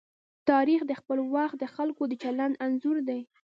تاریخ د خپل وخت د خلکو د چلند انځور دی.